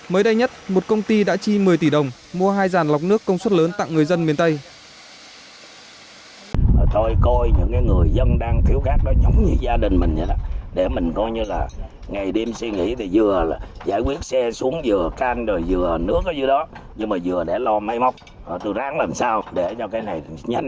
mới đây nhất một công ty đã chi một mươi tỷ đồng mua hai dàn lọc nước công suất lớn tặng người dân miền tây